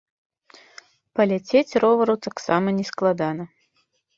Паляцець ровару таксама не складана.